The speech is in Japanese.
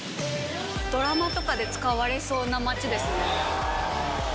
ドラマとかで使われそうな街ですね。